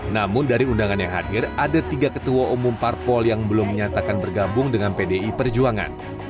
namun dari undangan yang hadir ada tiga ketua umum parpol yang belum menyatakan bergabung dengan pdi perjuangan